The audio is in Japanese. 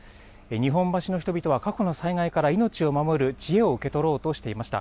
日本橋の人々は過去の災害から命を守る知恵を受け取ろうとしていました。